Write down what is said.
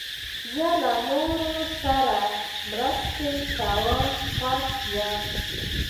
زه له نورو سره مرسته کول خوښوم.